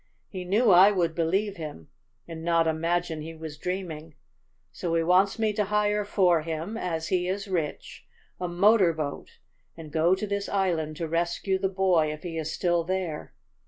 He knew I would believe him, and not imagine he was dreaming. So he wants me to hire for him, as he is rich, a motor boat and go to this island to rescue the boy if he is still there.